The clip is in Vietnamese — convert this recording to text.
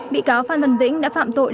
bị cáo phan vân vĩnh đã phạm tội